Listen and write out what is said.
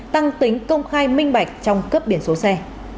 tăng tính công khai minh bạch trong cấp biển số xe